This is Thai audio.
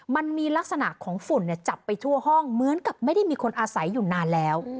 มันมีลักษณะของฝุ่นจับไปทั่วห้องเหมือนกับไม่ได้มีคนอาศัยอยู่นานแล้ว